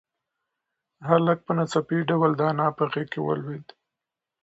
هلک په ناڅاپي ډول د انا په غېږ کې ولوېد.